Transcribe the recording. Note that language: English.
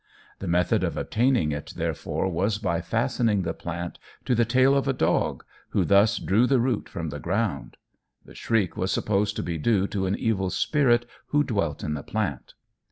The method of obtaining it, therefore, was by fastening the plant to the tail of a dog, who thus drew the root from the ground. The shriek was supposed to be due to an evil spirit who dwelt in the plant.